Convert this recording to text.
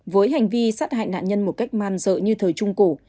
với hành vi sát hại nạn nhân một cách man dợ như thời trung cổ